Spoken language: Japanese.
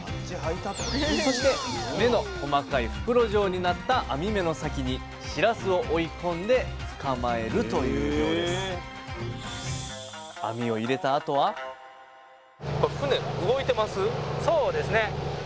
そして目の細かい袋状になった網目の先にしらすを追い込んで捕まえるという漁ですそうですね。